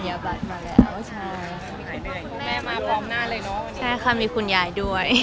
แบบตรงนี้ได้จริงตรงนี้ครับ